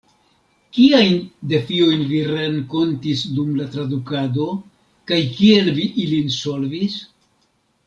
Kiajn defiojn vi renkontis dum la tradukado, kaj kiel vi ilin solvis?